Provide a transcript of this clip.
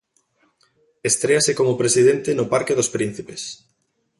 Estréase como presidente no Parque dos Príncipes.